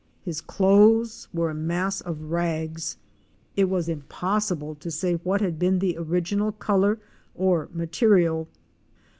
His clothes were a mass of rags — it was impossible to say what had been the original color or mate rial.